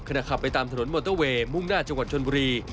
ขับไปตามถนนมอเตอร์เวย์มุ่งหน้าจังหวัดชนบุรี